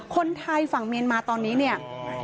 คนไทยฝั่งเมียนมาตอนนี้เนี่ย